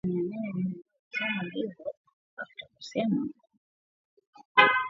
Washitakiwa hao ni wanawake wanne, mmoja alikamatwa mwezi uliopita akiwa na risasi ananipeleka kobu kwa wanamgambo.